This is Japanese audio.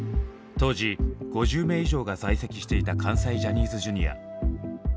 当時５０名以上が在籍していた関西ジャニーズＪｒ．。